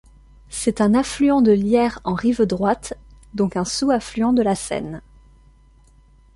C'est un affluent de l'Yerres en rive droite, donc un sous-affluent de la Seine.